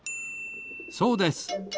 そうです。